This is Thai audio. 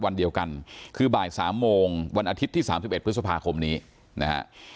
วันเดียวกันคือบ่าย๓โมงวันอาทิตย์ที่๓๑พฤษภาคมนี้นะฮะ